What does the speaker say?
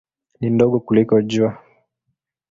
Ni ndogo kuliko Jua.